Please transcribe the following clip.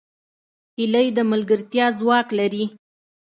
هیلۍ د ملګرتیا ځواک لري